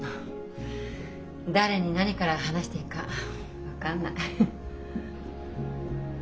誰に何から話していいか分かんない。